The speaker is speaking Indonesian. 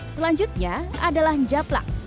selanjutnya adalah ngejaplak